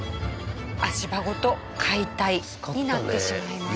足場ごと解体になってしまいました。